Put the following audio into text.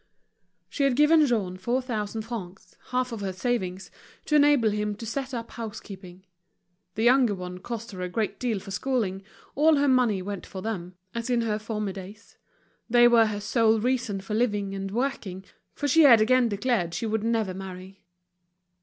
She had given Jean four thousand francs, half of her savings, to enable him to set up housekeeping. The younger one cost her a great deal for schooling, all her money went for them, as in former days. They were her sole reason for living and working, for she had again declared she would never marry.